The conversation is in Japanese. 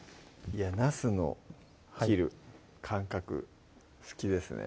なすの切る感覚好きですね